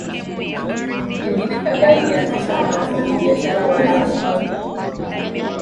mingine kadhaa ilianzishwa na wafanyabiashara Waarabu au